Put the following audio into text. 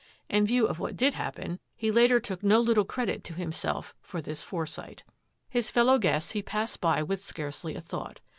In view of what did happen, he later took no little credit to himself for this foresight. His feUow guests he passed by with scarcely a thought.